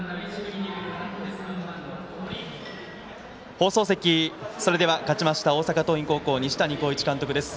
放送席、それでは勝ちました大阪桐蔭高校、西谷浩一監督です。